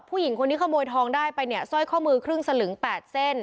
ผู้หญิงคนนี้ขโมยทองได้ไปเนี่ยสร้อยข้อมือครึ่งสลึง๘เส้น